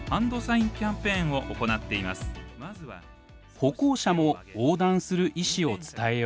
歩行者も横断する意思を伝えよう。